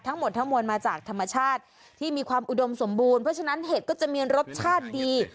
ทั้งหมดทั้งมวลมาจากธรรมชาติที่มีความอุดมสมบูรณ์เพราะฉะนั้นเห็ดก็จะมีรสชาติดี